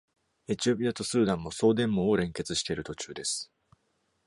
エチオピアとスーダンも、送電網を連結している途中です。